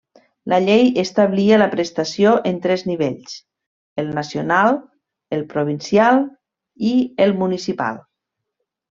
La llei establia la prestació en tres nivells: el nacional, el provincial i el municipal.